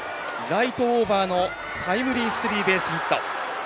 ライトオーバーのタイムリースリーベースヒット。